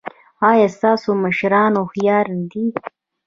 ایا ستاسو مشران هوښیار دي؟